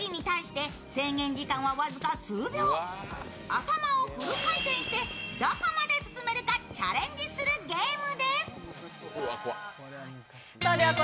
頭をフル回転してどこまで進めるかチャレンジするゲーム。